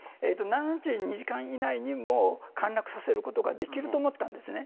７２時間以内に、もう、陥落させることができると思ったんですね。